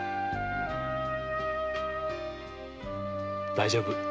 大丈夫。